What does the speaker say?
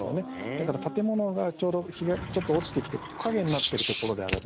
だから、建物がちょうど日がちょっと落ちてきて陰になっているところであれば。